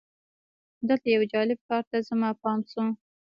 دلته یو جالب کار ته زما پام شو.